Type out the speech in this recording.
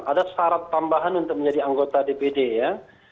ada syarat tambahan untuk menjadi anggota dpd ya